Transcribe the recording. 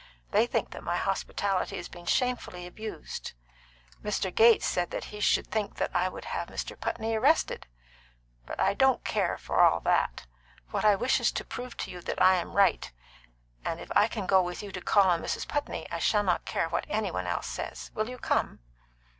They think that my hospitality has been shamefully abused. Mr. Gates said he should think I would have Mr. Putney arrested. But I don't care for all that. What I wish is to prove to you that I am right; and if I can go with you to call on Mrs. Putney, I shall not care what any one else says. Will you come?"